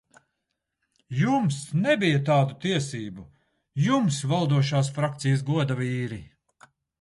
Jums nebija tādu tiesību, jums, valdošās frakcijas godavīri!